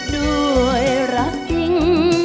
ด้วยรักจริง